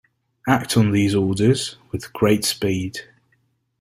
Act on these orders with great speed.